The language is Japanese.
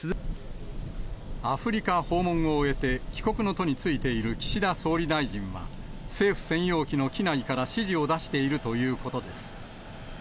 アフリカ訪問を終えて帰国の途に就いている岸田総理大臣は、政府専用機の機内から指示を出しているということです。